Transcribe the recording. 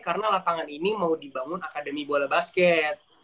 karena lapangan ini mau dibangun akademi bola basket